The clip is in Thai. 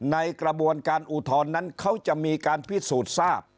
ในกระบวนการอุทธรณ์นั้นเขาจะมีการพิสูจน์ทราบ